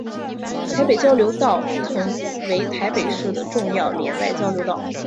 台北交流道同为台北市的重要联外交流道。